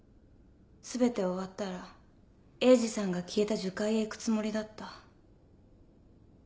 全て終わったら鋭治さんが消えた樹海へ行くつもりだった。